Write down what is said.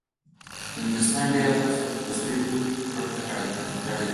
د نورستان ډیره برخه تر وروستیو پورې په کونړ پورې تړلې وه.